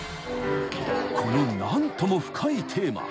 ［この何とも深いテーマ］